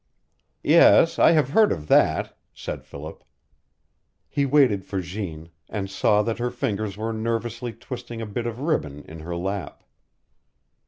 "Yes, I have heard of that," said Philip. He waited for Jeanne, and saw that her fingers were nervously twisting a bit of ribbon in her lap.